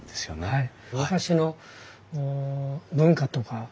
はい。